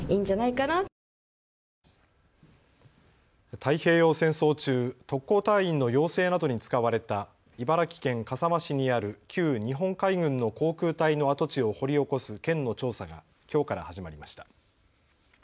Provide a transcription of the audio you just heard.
太平洋戦争中、特攻隊員の養成などに使われた茨城県笠間市にある旧日本海軍の航空隊の跡地を掘り起こす県の調査がきょうから始まりました。